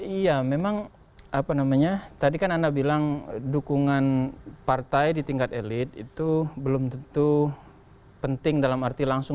iya memang apa namanya tadi kan anda bilang dukungan partai di tingkat elit itu belum tentu penting dalam arti langsung